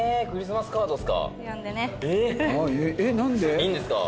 いいんですか？